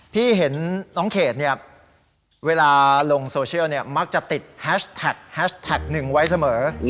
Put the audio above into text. พี่เห็นน้องเขตเนี่ยเวลาลงโซเชียลเนี่ยมักจะติดแฮชแท็กแฮชแท็กหนึ่งไว้เสมอ